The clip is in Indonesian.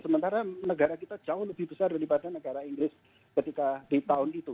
sementara negara kita jauh lebih besar daripada negara inggris ketika di tahun itu